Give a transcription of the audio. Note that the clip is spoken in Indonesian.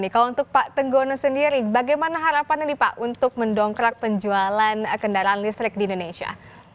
kalau untuk pak tenggono sendiri bagaimana harapan ini pak untuk mendongkrak penjualan kendaraan listrik di indonesia